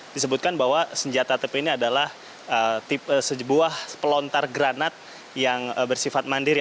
disebutkan bahwa senjata tp ini adalah sebuah pelontar granat yang bersifat mandiri